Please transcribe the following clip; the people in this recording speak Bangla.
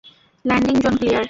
Landing zone clear!